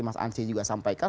mas ansy juga sampaikan